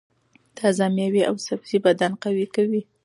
تازه مېوې او سبزۍ بدن قوي کوي.